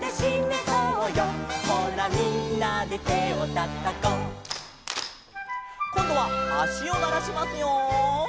「ほらみんなで手をたたこう」「」こんどはあしをならしますよ。